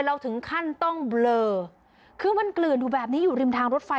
เราถึงขั้นต้องเบลอคือมันกลื่นอยู่แบบนี้อยู่ริมทางรถไฟ